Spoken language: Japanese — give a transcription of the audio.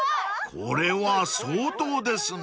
［これは相当ですね］